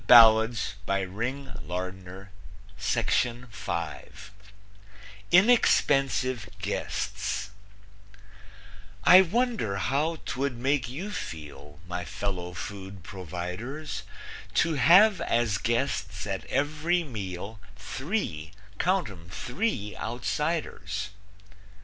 INEXPENSIVE GUESTS I wonder how 'twould make you feel, My fellow food providers, To have as guests at ev'ry meal Three count 'em, three outsiders.